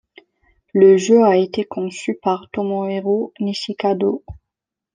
Le jeu a été conçu par Tomohiro Nishikado.